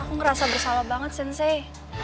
aku ngerasa bersalah banget sensey